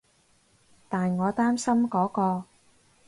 但我擔心嗰個